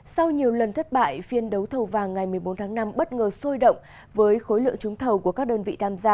sau nhiều lần thất bại phiên đấu thầu vàng ngày một mươi bốn tháng năm bất ngờ sôi động với khối lượng trúng thầu của các đơn vị tham gia